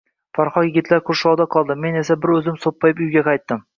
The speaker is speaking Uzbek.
Farhod yigitlar qurshovida qoldi, men esa bir o`zim, so`ppayib uyga qaytdim